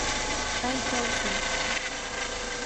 Pay kawsan